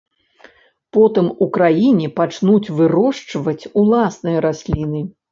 Потым у краіне пачнуць вырошчваць уласныя расліны.